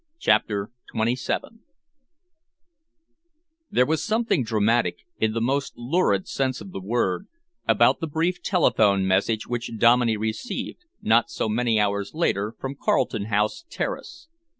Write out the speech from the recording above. CHAPTER XXVII There was something dramatic, in the most lurid sense of the word, about the brief telephone message which Dominey received, not so many hours later, from Carlton House Terrace.